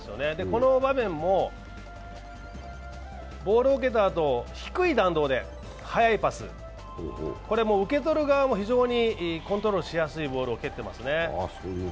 この場面もボールを受けたあと低い弾道で速いパス、これ、受け取る側もコントロールしやすいボールを蹴ってますね。